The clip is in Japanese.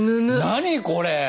何これ？